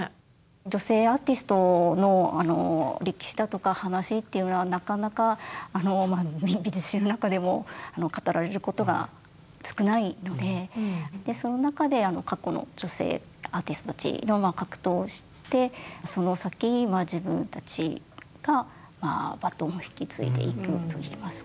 女性アーティストの歴史だとか話っていうのはなかなか美術史の中でも語られることが少ないのでその中で過去の女性アーティストたちの格闘を知ってその先自分たちがバトンを引き継いでいくといいますか。